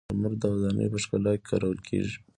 مرمر د ودانیو په ښکلا کې کارول کیږي.